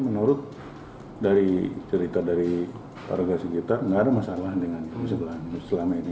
menurut dari cerita dari para gasikitar enggak ada masalah dengan kesebelahan selama